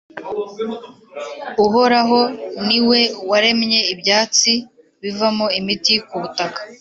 Uhoraho ni we waremye ibyatsi bivamo imiti ku butaka,